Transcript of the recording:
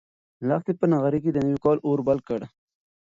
لښتې په نغري کې د نوي کال اور بل کړ.